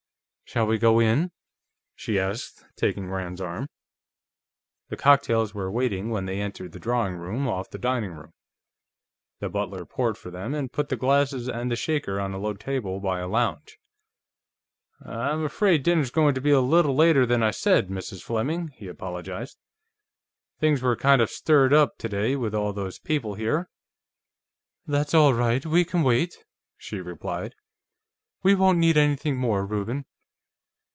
Shall we go in?" she asked, taking Rand's arm. The cocktails were waiting when they entered the drawing room, off the dining room. The butler poured for them and put the glasses and the shaker on a low table by a lounge. "I'm afraid dinner's going to be a little later than I said, Mrs. Fleming," he apologized. "Things were kind of stirred up, today, with all those people here." "That's all right; we can wait," she replied. "We won't need anything more, Reuben."